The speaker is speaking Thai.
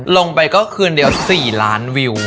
ลงไปก็คืนเดียว๔ล้านวิว